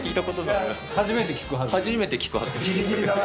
「初めて聞くはず」。